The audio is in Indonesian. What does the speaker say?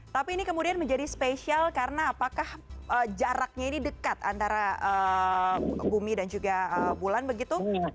tapi ini kemudian menjadi spesial karena apakah jaraknya ini dekat antara bumi dan juga bulan begitu